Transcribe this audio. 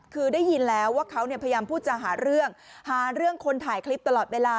คือได้ยินแล้วว่าเขาเนี่ยพยายามพูดจะหาเรื่องหาเรื่องคนถ่ายคลิปตลอดเวลา